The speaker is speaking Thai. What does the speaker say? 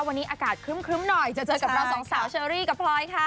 วันนี้อากาศครึ้มหน่อยจะเจอกับเราสองสาวเชอรี่กับพลอยค่ะ